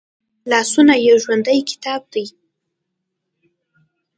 لاسونه یو ژوندی کتاب دی